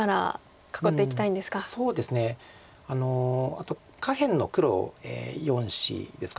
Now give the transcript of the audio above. あと下辺の黒４子ですか。